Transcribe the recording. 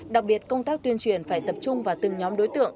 đặc biệt công tác tuyên truyền phải tập trung vào từng nhóm đối tượng